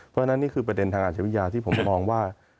เพราะฉะนั้นนี่คือประเด็นทางอาชวิทยาที่ผมมองว่า